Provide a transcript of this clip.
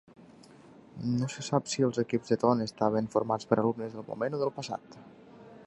No se sap si els equips d'Eton estaven formats per alumnes del moment o del passat.